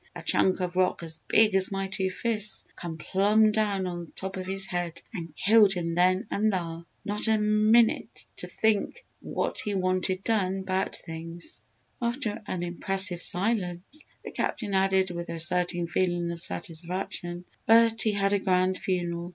a chunk of rock as big as my two fists come plumb down on top of his head and killed him then and thar! Not a minit t' think of what he wanted done 'bout things!" After an impressive silence the Captain added with a certain feeling of satisfaction: "But he had a grand funeral!